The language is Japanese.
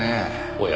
おや。